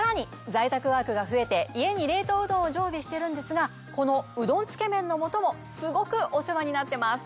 在宅ワークが増えて家に冷凍うどんを常備してるんですがこのうどんつけ麺の素もすごくお世話になってます。